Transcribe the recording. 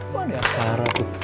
kok ada akar tuh